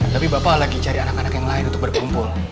tapi bapak lagi cari anak anak yang lain untuk berkumpul